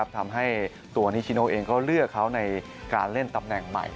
ทำให้ตัวนิชิโนเองก็เลือกเขาในการเล่นตำแหน่งใหม่